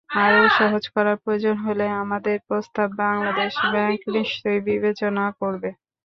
আরও সহজ করার প্রয়োজন হলে আপনাদের প্রস্তাব বাংলাদেশ ব্যাংক নিশ্চয়ই বিবেচনা করবে।